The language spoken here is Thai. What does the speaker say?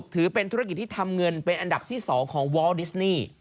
ถือเป็นธุรกิจที่ทำเงินเป็นอันดับที่๒ของวอลดิสนี่